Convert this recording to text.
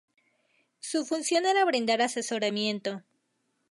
Su función era brindar asesoramiento.